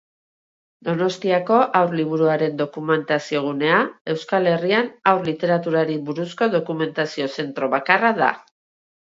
Donostiako Haur Liburuaren Dokumentaziogunea Euskal Herrian haur literaturari buruzko dokumentazio zentro bakarra da.